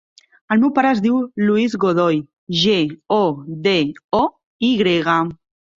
El meu pare es diu Luis Godoy: ge, o, de, o, i grega.